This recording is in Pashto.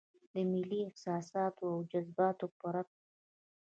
د ملي احساساتو او جذباتو په رپ کې.